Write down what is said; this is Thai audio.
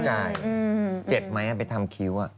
เจ็บไหมอ่ะไปทำคิ้วอ่ะ